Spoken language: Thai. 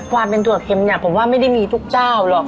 ความเป็นถั่วเค็มเนี่ยผมว่าไม่ได้มีทุกเจ้าหรอก